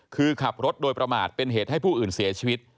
คือขับรถโดยประมาทเป็นเหตุให้ผู้อื่นเสียชีวิต